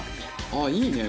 「あっいいね！